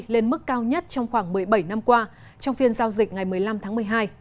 lên mức cao nhất trong khoảng một mươi bảy năm qua trong phiên giao dịch ngày một mươi năm tháng một mươi hai